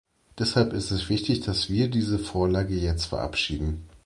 Deshalb ist es wichtig, dass wir diese Vorlage jetzt verabschieden.